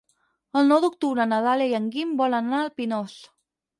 El nou d'octubre na Dàlia i en Guim volen anar al Pinós.